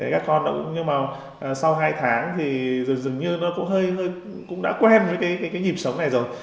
các con nó cũng như mà sau hai tháng thì dường như nó cũng hơi cũng đã quen với cái nhịp sống này rồi